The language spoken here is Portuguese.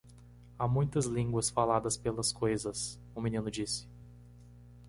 "Há muitas línguas faladas pelas coisas?" o menino disse.